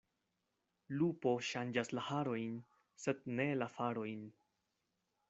Lupo ŝanĝas la harojn, sed ne la farojn.